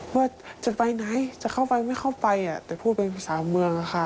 ว่าจะไปไหนจะเข้าไปไม่เข้าไปแต่พูดเป็นภาษาเมืองค่ะ